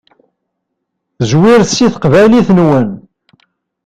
Zwiret seg teqbaylit-nwen.